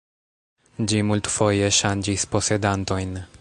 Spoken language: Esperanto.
Ĝi multfoje ŝanĝis posedantojn.